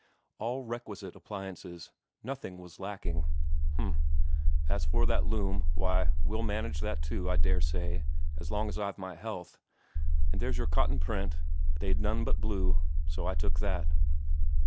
All requisite appliances nothing was lacking. "H'm. As for that loom, why, we'll manage that too, I dare say, as long as I've my health. And there's your cotton print; they'd none but blue, so I took that."